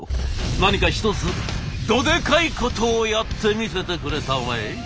何か一つどでかいことをやってみせてくれたまえ！」。